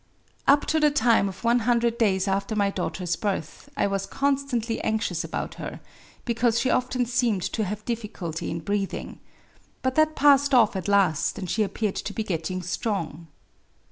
Digitized by Googk 112 A WOMAN'S DIARY — Up to the time of one hundred days after my daugh ter's birth, I was constantly anxious about her, because she often seemed to have a difficulty in breathing. But that passed off at last, and she appeared to be getting strong.